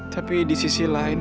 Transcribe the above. tapi di sisi lain